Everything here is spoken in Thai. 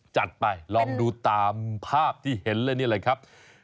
จัดไปลองดูตามภาพที่เห็นเลยนี่แหละครับ